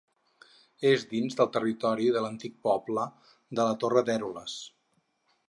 És dins del territori de l'antic poble de la Torre d'Eroles.